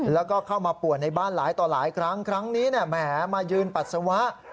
แล้วก็เข้ามาป่วนในบ้านหลายต่อหลายครั้งครั้งนี้แหมมายืนปัสสาวะ